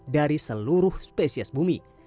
dari seluruh spesies bumi